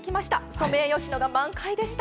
ソメイヨシノが満開でした。